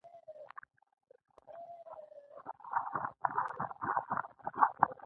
ډېر زیات مریدان پیدا کړل.